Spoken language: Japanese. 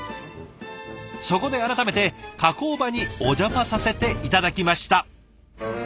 そこで改めて加工場にお邪魔させて頂きました。